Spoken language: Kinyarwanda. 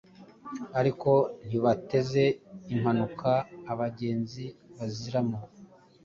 ariko ntibateze impanuka abagenzi bazirimo